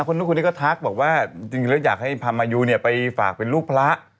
คนที่นี่ก็ทักบอกว่าจริงอยากให้พามายูไปฝากเป็นลูกพระ